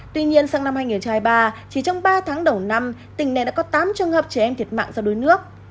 tuy nhiên sang năm hai nghìn hai mươi ba chỉ trong ba tháng đầu năm tỉnh này đã có tám trường hợp trẻ em thiệt mạng do đuối nước